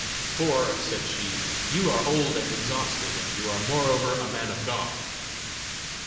"For," said she, "you are old and exhausted, and you are moreover a man of God."